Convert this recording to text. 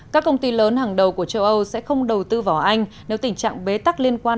các công ty lớn hàng đầu của châu âu sẽ không đầu tư vào anh nếu tình trạng bế tắc liên quan